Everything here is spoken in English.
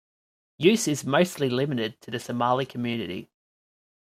Use is mostly limited to the Somali community.